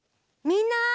みんな！